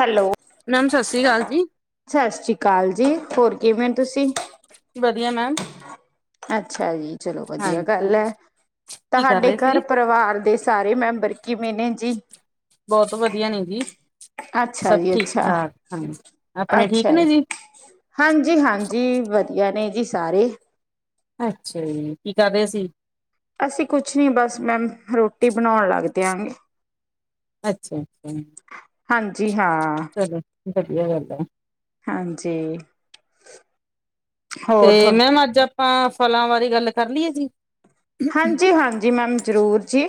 Hello ma'am Sat Sri ਅਕਾਲ ਜੀ ਸਤਿ ਸ੍ਰੀ ਅਕਾਲ ਜੀ ਹੋਰ? ਕਿਵੇਂ ਹੋ ਤੁਸੀਂ? ਵਧੀਆ ਮੈਮ ਅੱਛਾ ਜੀ ਚਲੋ ਵਧੀਆ ਹਾਂਜੀ ਗੱਲ ਹੈ ਕੀ ਕਰ ਤੁਹਾਡੇ ਰਹੇ ਸੀ ਘਰ ਪਰਿਵਾਰ ਦੇ ਸਾਰੇ ਮੈਂਬਰ ਕਿਵੇਂ ਨੇ ਜੀ ਬਹੁਤ ਵਧੀਆ ਨੇ ਜੀ ਅੱਛਾ ਸਭ ਜੀ ਠੀਕ ਅੱਛਾ ਠਾਕ ਹਾਂਜੀ ਆਪਣੇ ਠੀਕ ਅੱਛਾ ਨੇ ਜੀ ਹਾਂਜੀ ਹਾਂਜੀ ਵਧੀਆ ਨੇ ਜੀ ਸਾਰੇ ਅੱਛਾ ਜੀ ਕੀ ਕਰਦੇ ਸੀ। ਅਸੀਂ ਕੁਛ ਨੀ ਬਸ ਮੈਮ ਰੋਟੀ ਬਣਾਉਣ ਲੱਗ ਦੇ ਆ ਗੇ ਅੱਛਾ। ਅੱਛਾ ਹਾਂਜੀ। ਹਾਂ। ਚਲੋ ਵਧੀਆ ਗੱਲ ਆ। ਹਾਂਜੀ। ਹੋਰ ਥੋ ਤੇ ਮੈਮ ਅੱਜ ਆਪਾਂ ਫਲਾਂ ਬਾਰੇ ਗੱਲ ਕਰ ਲਈਏ ਜੀ। ਹਾਂਜੀ ਹਾਂਜੀ ਮੈਮ। ਜ਼ਰੂਰ ਜੀ।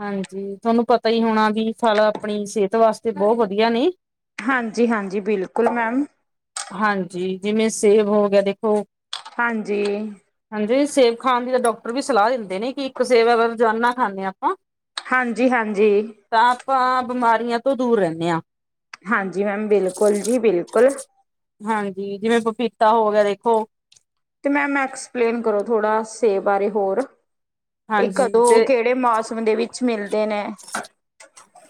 ਹਾਂਜੀ ਤੁਹਾਨੂੰ ਪਤਾ ਹੀ ਹੋਣਾ ਵੀ ਫਲ ਆਪਣੀ ਸਿਹਤ ਵਾਸਤੇ ਬਹੁਤ ਵਧੀਆ ਨੇ ਹਾਂਜੀ ਹਾਂਜੀ ਬਿਲਕੁਲ ਮੈਮ। ਹਾਂਜੀ ਜਿਵੇਂ ਸੇਬ ਹੋ ਗਿਆ ਦੇਖੋ। ਹਾਂਜੀ। ਸੇਬ ਖਾਣ ਦੀ ਤਾਂ ਡਾਕਟਰ ਵੀ ਸਲਾਹ ਦਿੰਦੇ ਨੇ ਕਿ ਇੱਕ ਸੇਬ ਅਗ ਰੋਜ਼ਾਨਾ ਖਾਂਦੇ ਹਾਂ ਆਪਾਂ। ਹਾਂਜੀ ਹਾਂਜੀ। ਤਾਂ ਆਪਾਂ ਬਿਮਾਰੀਆਂ ਤੋਂ ਦੂਰ ਰਹਿੰਦੇ ਹਾਂ। ਹਾਂਜੀ ਮੈਮ ਬਿਲਕੁਲ ਜੀ ਬਿਲਕੁਲ। ਹਾਂਜੀ ਜਿਵੇਂ ਪਪੀਤਾ ਹੋ ਗਿਆ ਦੇਖੋ ਤੇ ਮੈਮ ਐਕਸਪਲੇਨ ਕਰੋ ਥੋੜ੍ਹਾ ਸੇਬ ਬਾਰੇ ਹੋਰ ਇਹ ਹਾਂਜੀ ਕਦੋਂ ਤੇ ਕਿਹੜੇ ਮਾਸ? ਵਿੱਚ ਮਿਲ ਦੇ ਨੇ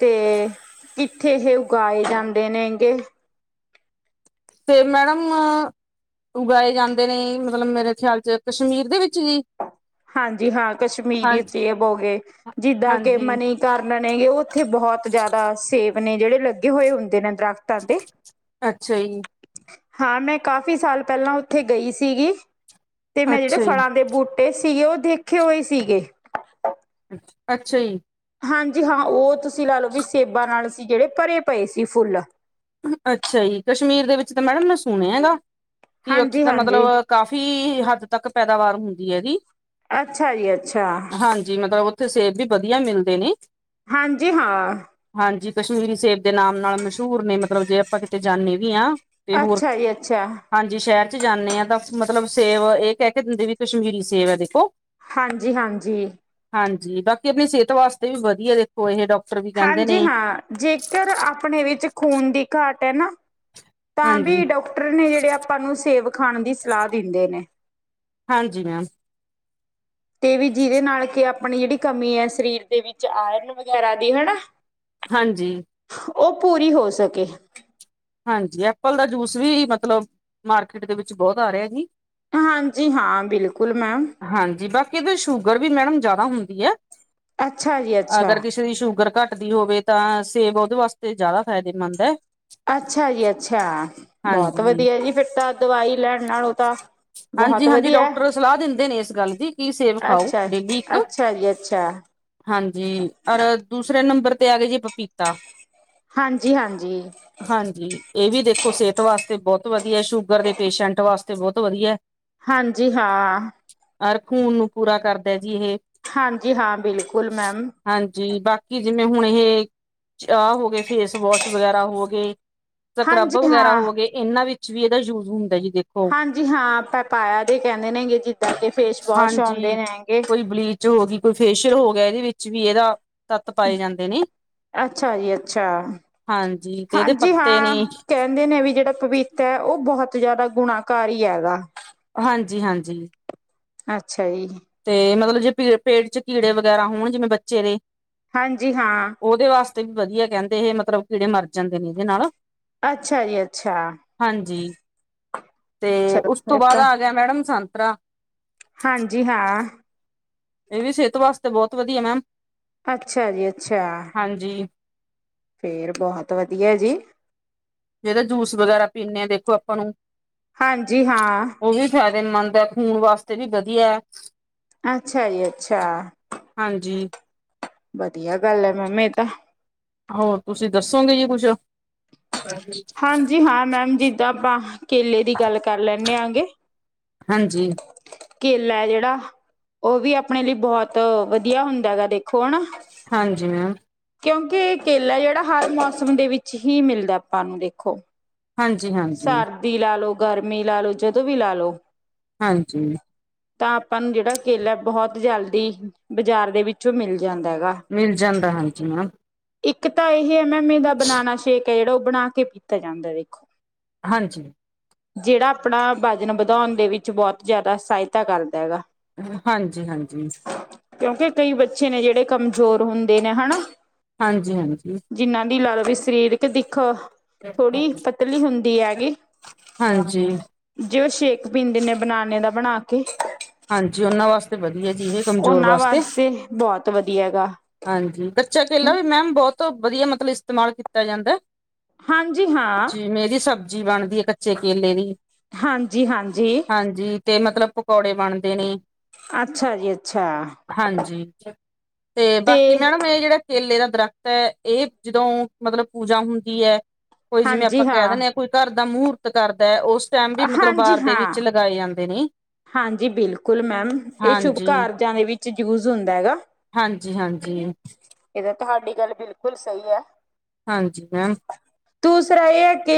ਤੇ ਕਿੱਥੇ ਇਹ ਉਗਾਏ ਜਾਂਦੇ ਨੇਗੇ। ਤੇ ਮੈਡਮ ਉਗਾਏ ਜਾਂਦੇ ਨੇ ਮਤਲਬ ਮੇਰੇ ਖਿਆਲ ਚ ਕਸ਼ਮੀਰ ਦੇ ਵਿੱਚ ਜੀ ਹਾਂਜੀ ਹਾਂ ਕਸ਼ਮੀਰੀ ਹਾਂਜੀ ਸੇਬ ਹੋ ਗਏ ਜਿੱਦਾਂ ਕਿ ਹਾਂਜੀ ਮਨੀ ਕਰਨ ਨੇ ਗੇ ਉਹ ਇੱਥੇ ਬਹੁਤ ਜਿਆਦਾ ਸੇ ਬ ਨੇ ਜਿਹੜੇ ਲੱਗੇ ਹੋਏ ਹੁੰਦੇ ਨੇ। ਦਰਖਤਾਂ ਤੇ ਅੱਛਾ ਜੀ। ਹਾਂ ਮੈਂ ਕਾਫੀ ਸਾਲ ਪਹਿਲਾਂ ਉੱਥੇ ਗਈ ਸੀਗੀ ਤੇ ਮੈਂ ਜਿਹੜੇ ਅੱਛਾ ਜੀ ਫਲਾਂ ਦੇ ਬੂਟੇ ਸੀ ਉਹ ਦੇਖੇ ਹੋਏ ਸੀਗੇ ਅੱਛਾ ਜੀ। ਹਾਂਜੀ ਹਾਂ ਉਹ ਤੁਸੀਂ ਲਾ ਲਓ ਵੀ ਸੇਬਾਂ ਨਾਲ ਸੀ ਜਿਹੜੇ ਭਰੇ ਪਏ ਸੀ ਫੁੱਲ ਅੱਛਾ ਜੀ। ਕਸ਼ਮੀਰ ਦੇ ਵਿੱਚ ਤਾਂ ਮੈਡਮ ਨੇ ਸੁਣਿਆ ਹੈਗਾ। ਕਿ ਉੱਥੇ ਹਾਂਜੀ ਤਾਂ ਮਤਲਬ ਹਾਂਜੀ ਕਾਫ਼ੀ ਹੱਦ ਤੱਕ ਪੈਦਾਵਾਰ ਹੁੰਦੀ। ਇਹ ਦੀ ਅੱਛਾ ਜੀ ਅੱਛਾ। ਮਤਲਬ ਉੱਥੇ ਸੇਬ ਵੀ ਵਧੀਆ ਮਿਲਦੇ ਨੇ ਹਾਂਜੀ ਹਾਂ। ਹਾਂਜੀ ਕਸ਼ਮੀਰੀ ਸੇਬ ਦੇ ਨਾਮ ਨਾਲ ਮਸ਼ਹੂਰ ਨੇ ਮਤਲਬ ਜੇ ਆਪਾਂ ਕਿਤੇ ਜਾਂਦੇ ਵੀ ਆ। ਤੇ ਹੋਰ ਅੱਛਾ ਜੀ ਅੱਛਾ ਹਾਂਜੀ ਸ਼ਹਿਰ ਚ ਜਾਂਦੇ ਹਾਂ ਤਾਂ ਮਤਲਬ ਸੇਬ ਇਹ ਕਹਿ ਕੇ ਦਿੰਦੇ ਵੀ ਕਸ਼ਮੀਰੀ ਸੇਬ ਐ ਦੇਖੋ ਹਾਂਜੀ-ਹਾਂਜੀ। ਹਾਂਜੀ ਬਾਕੀ ਆਪਣੀ ਸਿਹਤ ਵਾਸਤੇ ਵੀ ਵਧੀਆ ਦੇਖੋ ਇਹ ਡਾਕ ਹਾਂਜੀ ਹਾਂ ਜੇਕਰ ਆਪਣੇ ਵਿੱਚ ਖੂਨ ਦੀ ਘਾਟ ਹੈ ਨਾ ਤਾਂ ਹਾਂਜੀ ਵੀ ਡਾਕਟਰ ਨੇ ਜਿਹੜੇ ਆਪਾਂ ਨੂੰ ਸੇਵ ਖਾਣ ਦੀ ਸਲਾਹ ਦਿੰਦੇ ਨੇ। ਹਾਂਜੀ ਮੈਮ ਤੇ ਵੀ ਜਿਹਦੇ ਨਾਲ ਕਿ ਆਪਣੀ ਜਿਹੜੀ ਕਮੀ ਹੈ ਸਰੀਰ ਦੇ ਵਿੱਚ ਆਇਰਨ ਵਗੈਰਾ ਦੀ ਹੈਨਾ। ਹਾਂਜੀ। ਉਹ ਪੂਰੀ ਹੋ ਸਕੇ। ਹਾਂਜੀ ਐਪਲ ਦਾ ਜੂਸ ਵੀ ਮਤਲਬ ਮਾਰਕੀਟ ਦੇ ਵਿੱਚ ਬਹੁਤ ਆ ਰਿਹਾ ਜੀ। ਹਾਂਜੀ ਹਾਂ ਬਿਲਕੁਲ ਮੈਮ। ਕਿਤੇ ਸ਼ੂਗਰ ਵੀ ਮੈਡਮ ਜਿਆਦਾ ਹੁੰਦੀ ਏ। ਅੱਛਾ ਜੀ ਅੱਛਾ ਅਗਰ ਕਿਸੇ ਦੀ ਸ਼ੂਗਰ ਘੱਟ ਟੀ ਹੋਵੇ ਤਾਂ ਸੇਬ ਉਹਦੇ ਵਾਸਤੇ ਜ਼ਿਆਦਾ ਫਾਇਦੇਮੰਦ ਹੈ। ਅੱਛਾ ਜੀ ਅੱਛਾ, ਬਹੁਤ ਹਾਂਜੀ ਵਧੀਆ ਜੀ ਫਿਰ ਤਾਂ ਦਵਾਈ ਲੈਣ ਨਾਲੋਂ ਤਾਂ ਹਾਂਜੀ ਬਹੁਤ ਹਾਂਜੀ ਵਧੀਆ ਡਾਕਟਰ ਸਲਾਹ ਦਿੰਦੇ ਨੇ ਇਸ ਗੱਲ ਦੀ ਕਿ ਸੇਬ ਖਾਓ ਡੇਲੀ ਇੱਕ ਅੱਛਾ-ਅੱਛਾ ਜੀ ਅੱਛਾ। ਹਾਂਜੀ ਔਰ ਦੂਸਰੇ ਨੰਬਰ ਤੇ ਆ ਗਏ ਜੇ ਪਪੀਤਾ। ਹਾਂਜੀ-ਹਾਂਜੀ। ਹਾਂਜੀ ਇਹ ਵੀ ਦੇਖੋ ਸਿਹਤ ਵਾਸਤੇ ਬਹੁਤ ਵਧੀਆ ਸ਼ੂਗਰ ਦੇ ਪੇਸ਼ੈਂਟ ਵਾਸਤੇ ਬਹੁਤ ਵਧੀਆ ਏ। ਹਾਂਜੀ ਹਾਂ ਅਰ ਖੂਨ ਨੂੰ ਪੂਰਾ ਕਰਦੇ ਹਾਂਜੀ ਹਾਂ ਬਿਲਕੁਲ ਮੈਮ ਜੀ ਜਿਵੇਂ ਹੁਣ ਇਹ ਚਾਹ ਹੋ ਗਏ ਫੇਸ ਵਾਸ਼ ਵਗੈਰਾ ਹੋ ਗਏ ਸਕਰੱਬ ਹਾਂਜੀ ਵਗੈਰਾ ਹਾਂ ਹੋ ਗਏ ਇਹਨਾਂ ਵਿੱਚ ਵੀ ਇਹਦਾ ਯੂਜ ਹੁੰਦਾ ਜੀ ਦੇਖੋ ਹਾਂਜੀ ਹਾਂ ਪ ਪਾਇਆ ਦੇ ਕਹਿੰਦੇ ਨੇ ਹੈਗੇ ਜਿੱਦਾਂ ਕਿ ਫੇਸ ਵਾਸ਼ ਆਉਂਦੇ ਹਾਂਜੀ ਨੇ ਹੈਗੇ ਕੋਈ ਬਲੀਚ ਹੋ ਗਈ ਕੋਈ ਫੇਸ਼ੀਅਲ ਹੋ ਗਿਆ ਇਹਦੇ ਵਿੱਚ ਵੀ ਇਹਦਾ ਤੱਤ ਪਾਏ ਜਾਂਦੇ ਨੇ ਅੱਛਾ ਜੀ ਅੱਛਾ ਹਾਂਜੀ। ਤੇ ਇਹਦੇ ਹਾਂਜੀ ਪੱਤੇ ਹਾਂ ਨੇ ਕਹਿੰਦੇ ਨੇ ਵੀ ਜਿਹੜਾ ਪਪੀਤਾ ਹੈ ਉਹ ਉਹ ਬਹੁਤ ਜਿਆਦਾ ਗੁਣਾਕਾਰੀ ਹੈਗਾ। ਜੀ ਹਾਂਜੀ। ਅੱਛਾ। ਜੀ ਤੇ ਮਤਲਬ ਜੇ ਪੇਟ ਚ ਕੀੜੇ ਵਗੈਰਾ ਹੋਣ ਜਿਵੇਂ ਬੱਚੇ ਦੇ ਹਾਂਜੀ ਹਾਂ ਉਹਦੇ ਵਾਸਤੇ ਵੀ ਵਧੀਆ। ਕਹਿੰਦੇ ਇਹ ਮਤਲਬ ਕੀੜੇ ਮਰ ਜਾਂਦੇ ਨੇ ਇਹਦੇ ਨਾਲ ਅੱਛਾ ਜੀ ਅੱਛਾ ਹਾਂਜੀ ਤੇ ਚਲੋ ਉਸ ਤੋਂ ਫਿਰ ਬਾਅਦ ਤਾਂ ਆ ਗਿਆ ਮੈਡਮ ਸੰਤਰਾ ਹਾਂਜੀ ਹਾਂ। ਇਹ ਵੀ ਸਿਹਤ ਵਾਸਤੇ ਬਹੁਤ ਵਧੀਆ ਮੈਮ। ਅੱਛਾ ਜੀ ਅੱਛਾ। ਹਾਂਜੀ ਫੇਰ ਬਹੁਤ ਵਧੀਆ ਜੀ। ਜਿਹਦਾ ਜੂਸ ਵਗੈਰਾ ਪੀਂਦੇ ਆ ਦੇਖੋ ਆਪਾਂ ਨੂੰ ਹਾਂਜੀ ਹਾਂ ਉਹ ਵੀ ਖ ਮੰਨਦ ਹੈ ਖੂਨ ਵਾਸਤੇ ਵੀ ਵਧੀਆ ਹੈ। ਅੱਛਾ ਜੀ ਅੱਛਾ ਹਾਂਜੀ ਵਧੀਆ ਗੱਲ ਹੈ ਮ ਮ [inaudible] ਹੋਰ ਤੁਸੀਂ ਦੱਸੋਗੇ ਜੀ ਕੁਛ? ਹਾਂਜੀ ਹਾਂਜੀ ਹਾਂ ਮੈਮ ਜਿੱਦਾਂ ਆਪਾਂ ਕੇਲੇ ਦੀ ਗੱਲ ਕਰ ਲੈਂਦੇ ਆ ਗੇ। ਹਾਂਜੀ ਕੇਲਾ ਆ ਜਿਹੜਾ ਉਹ ਵੀ ਆਪਣੇ ਲਈ ਬਹੁਤ ਵਧੀਆ ਹੁੰਦਾ ਹੈ ਗਾ ਦੇਖੋ ਹੈ ਨਾ। ਹਾਂਜੀ ਮੈਮ ਕਿਉਂਕਿ ਕੇਲਾ ਜਿਹੜਾ ਹਰ ਮੌਸਮ ਦੇ ਵਿੱਚ ਹੀ ਮਿਲਦਾ ਆਪਾਂ ਨੂੰ ਦੇਖੋ ਹਾਂਜੀ ਹਾਂਜੀ ਸਰਦੀ ਲਾ ਲਓ। ਗਰਮੀ ਲਾ ਲਉ ਜਦੋਂ ਵੀ ਲਾ ਲੋ। ਹਾਂਜੀ। ਤਾਂ ਆਪਾਂ ਨੂੰ ਜਿਹੜਾ ਕੇਲਾ ਬਹੁਤ ਜਲਦੀ ਬਾਜ਼ਾਰ ਦੇ ਵਿੱਚੋਂ ਮਿਲਦਾ। ਮਿਲ ਜਾਂਦਾ ਹੈਂਜੀ ਮ ਇੱਕ ਤਾਂ ਇਹੀ ਹੈ ਮੈਂ ਮਮੀ ਦਾ ਬਨਾਣਾ ਸ਼ੇਕ ਜਿਹੜਾ ਉਹ ਬਣਾ ਕੇ, ਪੀਤਾ ਜਾਂਦਾ ਦੇਖੋ ਹਾਂਜੀ। ਜਿਹੜਾ ਆਪਣਾ ਬਜਨ ਵਧਾਉਣ ਦੇ ਵਿੱਚ, ਬਹੁਤ ਜ਼ਿਆਦਾ ਸਹਾਇਤਾ ਕਰਦਾ ਹੈਗਾ। ਹਾਂਜੀ ਹਾਂਜੀ ਕਿਉਂਕਿ, ਕਈ ਬੱਚੇ ਨੇ, ਜਿਹੜੇ ਕਮਜ਼ੋਰ ਹੁੰਦੇ ਨੇ ਹਨਾ ਹਾਂਜੀ -ਹਾਂਜੀ। ਜਿਨਾਂ ਦੀ ਲਾ ਲਓ ਵੀ ਸਰੀਰਕ ਦਿੱਖ ਅ ਕਲੀ ਹੁੰਦੀ ਹੈਗੀ, ਜੇ ਉਹ ਸ਼ੇਕ ਪੀਂਦੇ ਨੇ ਬਨਾਨੇ ਦਾ ਬਣਾ ਕੇ ਹਾਂਜੀ, ਉਹਨਾਂ ਵਾਸਤੇ ਵਧ ਜੀ ਕਮਜ਼ੋਰ ਉਹਨਾਂ ਵਾਸਤੇ, ਬਹੁਤ ਵਧੀਆ ਹੈਗਾ। ਹਾਂਜੀ ਬੱਚਾ ਕੇਲਾ ਵੀ ਮੈਮ ਬਹੁਤ ਸਭ ਤੋਂ, ਵਧੀਆ ਮਤਲਬ ਇਸਤੇਮਾਲ ਕੀਤਾ ਜਾਂਦੈ ਹਾਂਜੀ- ਹਾਂ। ਸਬਜ਼ੀ ਬਣਦੀ ਹੈ, ਕੱਚੇ ਕੇਲੇ ਦੀ। ਹਾਂਜੀ-ਹਾਂਜੀ। ਹਾਂਜੀ ਤੇ ਮਤਲਬ ਪਕੌੜੇ ਬਣਦੇ ਨੇ ਅੱਛਾ ਜੀ, ਅੱਛਾ‌। ਹਾਂਜੀ ਤੇ, ਬਾਕੀ ਮੈਡਮ ਇਹ ਜਿਹੜਾ ਕੇਲੇ ਦਾ ਦਰੱਖਤ ਹੈ, ਇਹ ਜਦੋਂ ਮਤਲਬ ਪੂਜਾ ਹੁੰਦੀ ਹੈ ਕੋਈ ਜਿਵੇਂ ਆਪਾਂ ਕਹਿ ਦਿੰਨੇ ਹਾਂ, ਕੋਈ ਘਰ ਦਾ ਮੁਹੂਰਤ ਕਰਦਾ ਹੈ, ਉਸ ਦਾ ਟਾਈਮ ਵੀ ਮਤਲਬ ਹਾਂਜੀ ਬਾਰ ਦੇ ਵਿੱਚ ਲਗਾਏ ਜਾਂਦੇ ਨੇ। ਜੀ ਬਿਲਕੁਲ ਮੈਮ, ਇਹ ਸ਼ੁਭ ਕਾਰਜਾਂ ਦੇ ਵਿੱਚ ਚ ਯੂਜ ਹੁੰਦਾ ਹੈਗਾ। ਹਾਂਜੀ-ਹਾਂਜੀ। ਇਹ ਤਾਂ, ਤੁਹਾਡੀ ਗੱਲ ਬਿਲਕੁਲ ਸਹੀ ਹੈ। ਹਾਂਜੀ ਮੈਮ ਦੂਸਰਾ ਇਹ ਏ ਕੇ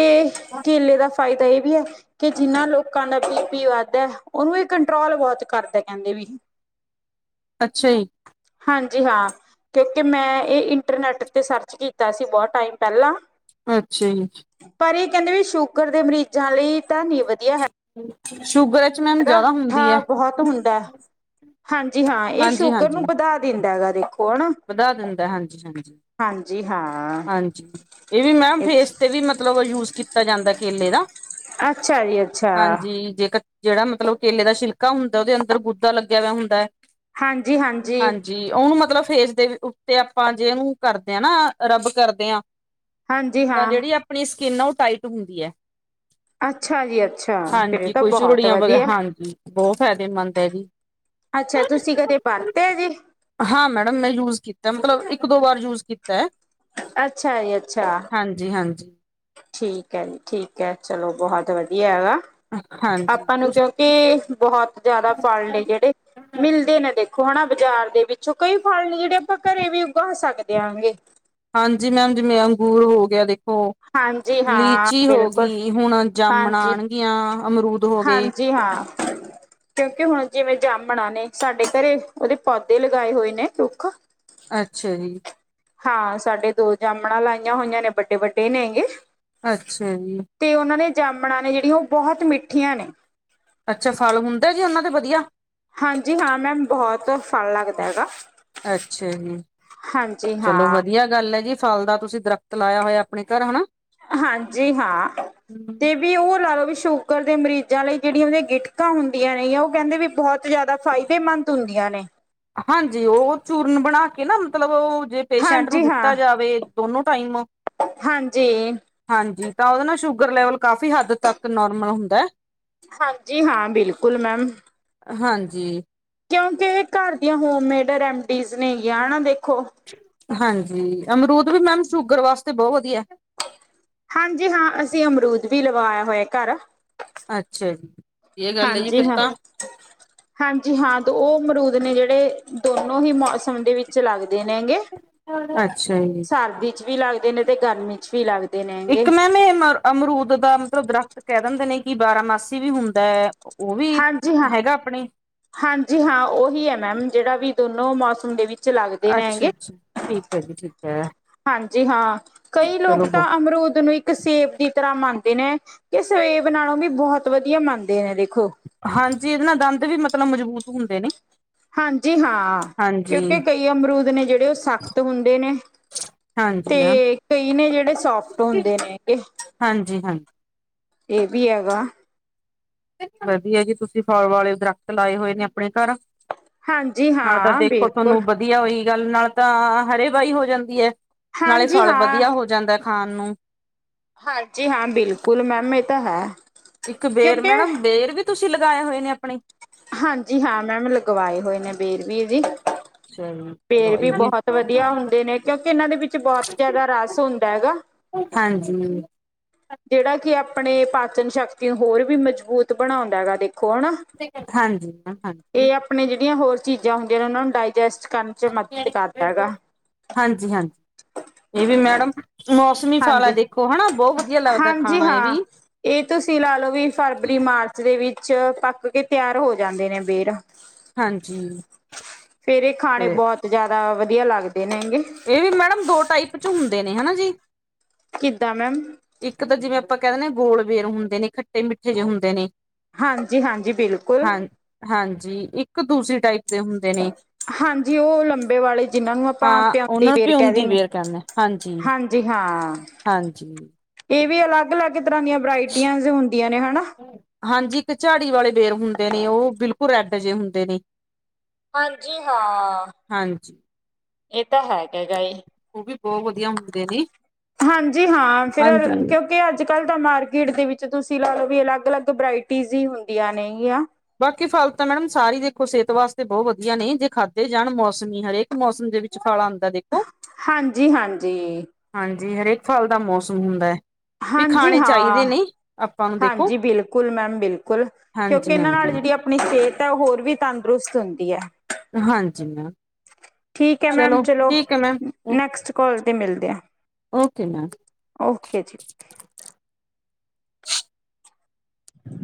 ਕੇਲੇ ਦਾ ਫਾਇਦਾ ਇਹ ਵੀ ਐ ਕਿ ਜਿੰਨਾ ਲੋਕਾਂ ਦਾ ਬੀਪੀ ਵੱਧਦਾ, ਉਹਨੂੰ ਇਹ ਕੰਟਰੋਲ ਬਹੁਤ ਕਰਦਾ ਕਹਿੰਦੇ ਵੀ। ਅੱਛਾ ਜੀ। ਹਾਂਜੀ- ਹਾਂ। ਕਿਉਂਕਿ 'ਮੈਂ'ਇਹ ਇੰਟਰਨੈਟ ਤੇ ਸਰਚ ਕੀਤਾ ਸੀ, ਬਹੁਤ ਟਾਈਮ ਪਹਿਲਾਂ ਅੱਛਾ ਜੀ-ਅੱਛਾ ਪਰ ਇਹ ਕਹਿੰਦੇ ਵੀ ਸ਼ੂਗਰ ਦੇ ਮਰੀਜ਼ਾਂ ਲਈ ਤਾਂ ਨੀ ਵਧੀਆ ਹੈ। [inaudible] ਮੈਮ ਹਾਂ ਜ਼ਿਆਦਾ ਹੁੰਦੀ ਹੈ ਮਿੱਠਾ ਬਹੁਤ ਹੁੰਦਾ ਹਾਂਜੀ ਹਾਂ ਇਹ ਹਾਂਜੀ ਸ਼ੁਗਰ ਨੂੰ ਹਾਂਜੀ ਵਧਾ ਦਿੰਦਾ ਹੈਗਾ। ਦੇਖੋ ਹਨਾ ਵਧਾ ਦਿੰਦਾ ਹਾਂਜੀ-ਹਾਂਜੀ ਹਾਂਜੀ ਹਾਂ ਹਾਂਜੀ ਇਹ ਵੀ ਮੈ ਫੇਸ ਤੇ ਵੀ ਮਤਲਬ ਯੂ ਕੀਤਾ ਜਾਂਦਾ ਕੇਲੇ ਦਾ- ਅੱਛਾ ਜੀ ਅੱਛਾ। ਹਾਂਜੀ ਜੇ ਜਿਹੜਾ ਮਤਲਬ ਕੇਲੇ ਦਾ ਸ਼ਛਿਲਕਾ ਹੁੰਦਾ ਉਹਦੇ ਅੰਦਰ ਗੁੱਦਾ ਲੱਗਿਆ ਹੋਇਆ ਹੁੰਦਾ। ਹਾਂਜੀ-ਹਾਂਜੀ। ਮਤਲ ਫੇਸ ਦੇ ਉੱਤੇ ਆਪਾਂ ਜੇ ਉਹਨੂੰ ਕਰਦੇ ਹਾਂ ਨਾ ਰੱਬ ਕਰਦੇ ਹਾਂ। ਹਾਂਜੀ ਤਾਂ ਹਾਂ ਜਿਹੜੀ ਆਪਣੀ ਕਿੰਨਾ ਟਾਈਟ ਹੁੰਦੀ ਹੈ। ਅੱਛਾ ਜੀ ਅੱਛਾ ਫਿਰ ਹਾਂਜੀ ਤਾਂ ਕੋਈ ਬਹੁਤ ਝੁਰੜੀਆਂ ਵਗ ਵਧੀਆ ਹਾਂਜੀ ਬਹੁਤ ਫਾਇਦੇਮੰਦ ਹੈ ਜੀ ਅੱਛਾ ਤੁਸੀਂ ਕਦੇ ਬਰਤੇ ਐ ਜੀ। ਹਾਂ ਮੈਡਮ ਮੈਂ ਯੂਜ ਕੀਤਾ ਮਤਲਬ ਇੱਕ ਦੋ ਵਾਰ ਯੂਜ ਕੀਤਾ ਅ। ਅੱਛਾ ਜੀ ਅੱਛਾ। ਹਾਂਜੀ। ਠੀਕ ਹੈ ਜੀ ਠੀਕ ਹੈ ਚਲੋ ਬਹੁਤ ਵਧੀਆ ਹੈਗਾ। ਹਾਂਜੀ ਆਪਾਂ ਨੂੰ ਉਸ ਕਿਉਂਕਿ ਬਹੁਤ ਜ਼ਿਆਦਾ ਫਲ ਨੇ ਜਿਹੜੇ ਮਿਲਦੇ ਨੇ ਦੇਖ ਓਨਾ ਬਾਜ਼ਾਰ ਦੇ ਵਿੱਚੋਂ ਕੋਈ ਫਲ ਨੀ ਦੇਖੋ ਘਰੇ ਵੀ ਉਗੋ ਹਸਾਂਗੇ। [unintelligible] ਹਾਂਜੀ ਮੈਮ ਜਿਵੇਂ ਅੰਗੂਰ ਹੋ ਗਿਆ ਦੇਖ ਹੋ ਹਾਂਜੀ ਹਾਂ ਲੀਚੀ ਹੋ ਬਿਲਕੁਲ ਗਈ ਹੁਣ ਜਾਮਣਾ ਹਾਂਜੀ ਆਣਗੀਆਂ। ਹਾਂਜੀ ਹਾਂ ਕਿਉਂਕਿ ਹੁਣ ਜਿਵੇਂ ਜਾਮ ਬਣਾ ਨੇ ਸਾਡੇ ਘਰੇ ਉਹਦੇ ਪੌਦੇ ਲਗਾਏ ਹੋਏ ਨੇ ਰੁੱਖ ਅੱਛਾ ਜੀ। ਹਾਂ ਸਾਡੇ ਦੋ ਜਾਮਣਾ ਲਾਈਆਂ ਹੋਈਆਂ ਨੇ ਵੱਡੇ-ਵੱਡੇ ਨੇ ਹੈਗੇ। ਅੱਛਾ ਜੀ ਤੇ ਉਹਨਾਂ ਨੇ ਜਾਮਣਾਂ ਨੇ ਜਿਹੜੀਆਂ ਉਹ ਬਹੁਤ ਮਿੱਠੀਆਂ ਨੇ। ਅੱਛਾ ਫਲ ਹੁੰਦਾ ਜੀ ਉਹਨਾਂ ਦੇ ਵਧੀਆ ਹਾਂਜੀ ਹਾਂ ਮੈਮ ਬਹੁਤ ਫਲ ਲੱਗਦਾ ਹੈਗਾ ਅੱਛਾ ਜੀ ਹਾਂਜੀ ਹਾਂ। ਤਲਾਇਆ ਹੋਇਆ ਆਪਣੇ ਘਰ ਹਨਾ। ਹਾਂਜੀ ਹਾਂ ਹਮ ਤੇ ਵੀ ਉਹ ਲਾ ਲਓ ਵੀ। ਸ਼ੂਗਰ ਦੇ ਮਰੀਜ਼ਾਂ ਲਈ ਜਿਹੜੀਆਂ ਉਹਦੀਆਂ ਗਿਟਕਾਂ ਹੁੰਦੀਆਂ ਨੇ ਉਹ ਕਹਿੰਦੇ ਵੀ ਬਹੁਤ ਜ਼ਿਆਦਾ ਫਾਇਦੇਮੰਦ ਹੁੰਦੀਆਂ ਨੇ। ਹਾਂਜੀ ਉਹ ਚੂਰਨ ਬਣਾ ਕੇ ਨਾ ਮਤਲਬ ਉਹ ਜੇ ਪੇਸ਼ੈਂਟ ਨੂੰ ਹਾਂਜੀ ਹਾਂ ਦਿੱਤਾ ਜਾਵੇ। ਦੋਨੋ ਟਾਈਮ ਹਾਂਜੀ। ਹਾਂਜੀ ਤਾਂ ਉਹਦੇ ਨਾਲ ਸ਼ੂਗਰ ਲੈਵਲ ਕਾਫੀ ਹੱਦ ਤੱਕ ਨੋਰਮਲ ਹੁੰਦਾ ਹੈ। ਹਾਂਜੀ ਹਾਂ ਬਿਲਕੁਲ ਮੈਮ। ਹਾਂਜੀ। ਕਿਉਂਕਿ ਇਹ ਘਰ ਦੀਆਂ ਹੋਮੇਡ ਰੈਮਡੀਜ਼ ਨੇ ਗੀਆਂ ਹਨਾ ਦੇ। ਹਾਂਜੀ। ਅਮਰੂਦ ਮੈਮ ਸ਼ੂਗਰ ਵਾਸਤੇ ਬਹੁਤ ਵਧੀਆ ਹਾਂਜੀ ਹਾਂ ਅਸੀਂ ਅਮਰੂਦ ਵੀ ਲਵਾਇਆ ਹੋਇਆ ਘਰ ਅੱਛਾ ਜੀ। ਇਹ ਗੱਲ ਹੈ ਜੀ ਹਾਂਜੀ ਫਿਰ ਹਾਂ ਤਾਂ ਹਾਂਜੀ ਹਾਂ ਤੇ ਉਹ ਮਰੂਦ ਨੇ ਜਿਹੜੇ ਦੋਨੋ ਹੀ ਮੌਸਮ ਦੇ ਵਿੱਚ ਲੱਗ ਦੇ ਨੇ ਗੇ ਅੱਛਾ ਜੀ ਸਰਦੀ ਚ ਵੀ ਲੱਗਦੇ ਨੇ ਤੇ ਗਰਮੀ ਚ ਵੀ ਲੱਗਦੇ ਨੇਗੇ ਇੱਕ ਮੈਮ ਇਹ ਅਮਰੂਦ ਦਾ ਮਤਲਬ ਦਰਖਤ ਕਹਿ ਦਿੰਦੇ ਨੇ ਕਿ ਬਾਰਾਮਾਸੀ ਵੀ ਹੁੰਦਾ ਹੈ। ਉਹ ਵੀ ਹਾਂਜੀ ਹਾਂ ਹੈਗਾ ਆਪਣੇ ਹਾਂਜੀ ਹਾਂ। ਉਹੀ ਹੈ ਮੈਮ ਜਿਹੜਾ ਵੀ ਦੋਨੋ ਮੌਸਮ ਦੇ ਵਿੱਚ ਲੱਗਦੇ ਨੇ ਅੱਛਾ, ਹੈਗੇ ਅੱਛਾ ਠੀਕ ਹੈ ਜੀ। ਠੀਕ ਹੈ। ਹਾਂਜੀ ਹਾਂ। ਕਈ ਚਲੋ ਲੋਕ ਬ ਤਾਂ ਅਮਰੂਦ ਨੂੰ ਇੱਕ ਸੇਬ ਦੀ ਤਰ੍ਹਾਂ ਮੰਨਦੇ ਨੇ ਕਿ ਸੇਬ ਨਾਲੇ ਵੀ ਬਹੁਤ ਵਧੀਆ ਮੰਨਦੇ ਨੇ ਦੇਖੋ ਹਾਂਜੀ। ਜੀ ਇਹਦੇ ਨਾਲ ਦੰਦ ਵੀ ਮਤਲਬ ਮਜ਼ਬੂਤ ਹੁੰਦੇ ਨੇ ਹਾਂਜੀ ਹਾਂ ਹਾਂਜੀ ਕਿਉਂਕਿ ਕਈ ਅਮਰੂਦ ਨੇ ਜਿਹੜੇ ਉਹ ਸਖਤ ਹੁੰਦੇ ਨੇ ਹਾਂਜੀ ਤੇ ਮੈਮ ਕਈ ਨੇ ਜਿਹੜੇ ਸੋਫਟ ਹੁੰਦੇ ਨੇ ਹੈਗੇ ਹਾਂਜੀ ਹਾਂਜੀ ਇਹ ਵੀ ਹੈਗਾਾ। ਵਧੀਆ ਜੀ ਤੁਸੀਂ ਫਲ ਵਾਲੇ ਦਰਖਤ ਲਾਏ ਹੋਏ ਨੇ ਆਪਣੇ ਘਰ ਹਾਂਜੀ ਨਾਲ ਤਾਂ ਹਾਂ ਦੇਖੋ ਬਿਲਕੁਲ ਤੁਹਾਨੂੰ ਵਧੀਆ ਹੋਈ ਗੱਲ ਨਾਲੇ ਤਾਂ ਹਰੇ ਬਾਈ ਹੋ ਜਾਂਦੀ ਹੈ। ਨਾਲੇ ਹਾਂਜੀ ਫਲ ਹਾਂ ਵਧੀਆ ਹੋ ਜਾਂਦਾ ਖਾਣ ਨੂੰ ਹਾਂਜੀ ਹਾਂ। ਬਿਲਕੁਲ ਮੈਮ ਇਹ ਤਾਂ ਹੈ। ਇੱਕ ਬੇਰ ਕਿਉਂਕਿ ਮੈਡਮ ਬੇਰ ਵੀ ਤੁਸੀ ਲਗਾਏ ਹੋਏ ਨੇ ਆਪਣੇ ਹਾਂਜੀ ਹਾਂ ਮੈਮ ਲਗਵਾਏ ਹੋਏ ਨੇ ਬੇਰ ਵੀ ਜੀ। ਚਲੋ ਬੇਰ ਚਲੋ ਵੀ ਇਹ ਬੋਹਤ ਵਧੀਆ ਹੁੰਦੇ ਨੇ ਕਿਉਂਕਿ ਏਨਾਂ ਦੇ ਵਿੱਚ ਬੋਤ ਜੈਦਾ ਰਾਸ਼ ਹੁੰਦਾ ਹੈਗਾ। ਹਾਂਜੀ। ਜਿਹੜਾ ਕਿ ਆਪਣੇ ਪਾਚਨ ਸ਼ਕਤੀ ਨੂੰ ਹੋਰ ਵੀ ਮਜ਼ਬੂਤ ਬਣਾਉਂਦਾ ਹੈਗਾ ਦੇ [inaudible] ਹਾਂਜੀ ਮੈਮ ਏ ਹਾਂਜੀ, ਆਪਨੇ ਜਿਹੜੀਆਂ ਹੋਰ ਚੀਜ਼ਾਂ ਹੁੰਦੀਆਂ ਨੇ ਉਨਾਂ ਨੂੰ ਡਾਇਜੈਸਟ ਕਰਨ ਚ ਮਦਦ ਕਰਦਾ ਹੈਗਾ [unintelligible] ਹਾਂਜੀ, ਹਾਂਜੀ ਏਹ ਵੀ ਮੈਡਮ ਮੌਸਮੀ ਫਲ ਹੈ ਹਾਂਜੀ, ਦੇਖੋ ਹਨਾ ਬਹੁਤ ਵਧੀਆ ਲੱਗਦਾ ਹਾਂਜੀ ਖਾਣਾ ਇਹ ਹਾਂ ਵੀ। ਏਹ ਤੁਸੀ ਲਾ ਲੋ ਵੀ ਫਰਵਰੀ, ਮਾਰਚ ਦੇ ਵੀ। ਵਿੱਚ ਪੱਕ ਕੇ ਤਿਆਰ ਹੋ ਜਾਂਦੇ ਨੇ ਬੇਰ। ਹਾਂਜੀ ਫੇਰ ਏ ਖਾਣੇ ਬੋਤ [inaudible] [inaudible] ਵਧੀਆ ਲਾਗ ਏਵੀ ਮੈਡਮ ਦੋ ਟਾਈਪ ਹੂਨ [inaudible] ਹਨਾ ਜੀ। ਕਿਦਾਂ ਮੈਮ? ਇੱਕ ਤਾ ਜਿਵੇ ਆਪਾ ਕੈਦੇਨੇ ਆਂ ਗੋਲ ਵੇਰ ਹੁੰਦੇ ਨੇ ਖੱਟੇ-ਮਿੱਠੇ ਜਿਹੇ ਹੁੰਦੇ ਨੇ। ਹਾਂਜੀ, ਹਾਂਜੀ ਬਿਲਕੁਲ ਹਾਂ ਹਾਂਜੀ [inaudible] ਦੂਸਰੀ ਟਾਈਪ ਦੇ ਹੁੰਦੇ ਨੇ ਹਾਂਜੀ ਓਹ ਲੰਬੇ ਵਾਲੇ ਜਿਹਨਾਂ ਨੂੰ ਆਪਾ ਹਾਂ ਪਿਆਂਦੀ ਉਹਨਾਂ ਨੂੰ ਵੇਰ ਕਹਿ ਪਿਉਂਦੀ ਦੇਨੇ, ਬੇਰ ਕਹਿੰਦੇ ਹਾਂਜੀ ਹਾਂ ਹਾਂਜੀ। ਏ ਵੀ ਲਾਗ, ਲਾਗ [inaudible] ਵਰਾਇਟੀਆਂ ਹੁੰਦੀਆਂ ਨੇ ਹਨਾ। ਹਾਂਜੀ ਇੱਕ ਝਾੜੀ ਵਾਲੇ ਬੇਰ ਹੁੰਦੇ ਨੇ ਓਹ ਬਿਲਕੁਲ ਰੈਡ ਜੇਹੇ ਹੁੰਦੇ ਨੇ। ਹਾਂਜੀ ਹਾਂ। ਹਾਂਜੀ। ਏ ਤਾ ਹੈਗਾ ਗਾਏ। ਉਹ ਵੀ ਬਹੁਤ ਵਧੀਆ ਹੁੰਦੇ ਨੇ ਹਾਂਜੀ ਹਾਂ ਫਿਰ ਹਾਂਜੀ। ਕਿਉਂਕਿ ਅੱਜ-ਕੱਲ ਤਾ ਮਾਰਕੀਟ ਦੇ ਵਿੱਚ ਤੁਸੀ ਲਾ ਲੋ ਵੀ ਅਲੱਗ, ਅਲੱਗ ਬਰਾਇਟੀਜ਼ ਹੀ ਹੁੰਦੀਆਂ ਨੇ [inaudible] ਬਾਕੀ ਫ਼ਲ ਤਾ ਮੈਡਮ ਸਾਰੀ ਦੇਖੋ ਸੇਹਤ ਵਾਸਤੇ ਬੋ ਵਧੀਆ ਨੇ ਜੇ ਖਾਧੇ ਜਾਨ ਮੌਸਮੀ ਹਰੇਕ ਮੌਸਮ ਦੇ ਵਿੱਚ ਫਲ ਆ ਹਾਂਜੀ, ਹਾਂਜੀ। ਜੇ ਹਰੇਕ ਫਲ ਦਾ ਮੌਸਮ ਹੁੰਦਾ ਏ। ਵੀ ਹਾਂਜੀ ਖਾਣੇ ਚਾਹੀਦੇ ਹਾਂ ਨੇ ਅਪ ਹਾਂਜੀ ਬਿਲਕੁਲ ਮੈਮ ਬਿਲਕੁਲ, ਕਿਉਂਕਿ ਹਾਂਜੀ ਏਨਾ ਨਾਲ [inaudible] ਹਾਂਜੀ ਜੇਹੜੀ ਆਪਨੀ ਸੇਤ ਐ ਓ ਹੋਰ ਤਾੰਦਰੁਸਤ ਹੁੰਦੀ ਐ। ਹਾਂਜੀ ਮੈਮ ਠੀਕ ਹੈ ਮੈਮ ਚਲੋ ਠੀਕ ਹੈ ਮੈਮ ਨੈਕਸਟ ਕਾਲ ਤੇ ਮਿਲਦੇ ਆ। Okay ma'am. ਓਕੇ ਜੀ ਹੂੰ।